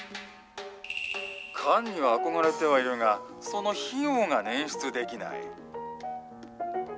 缶には憧れてはいるが、その費用が捻出できない。